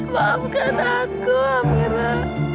maafkan aku amirah